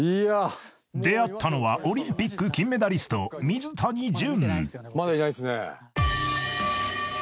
［出会ったのはオリンピック金メダリスト水谷隼］